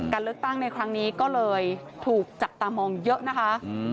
เลือกตั้งในครั้งนี้ก็เลยถูกจับตามองเยอะนะคะ